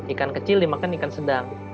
ikan kecil dimakan ikan sedang